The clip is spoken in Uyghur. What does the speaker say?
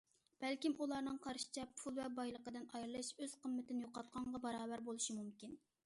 بەلكىم ئۇلارنىڭ قارىشىچە پۇل ۋە بايلىقىدىن ئايرىلىش ئۆز قىممىتىنى يوقاتقانغا باراۋەر بولۇشى مۇمكىن.